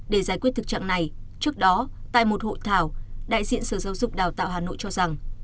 để giải quyết thực trạng này trước đó tại một hội thảo đại diện sở giáo dục đào tạo hà nội cho rằng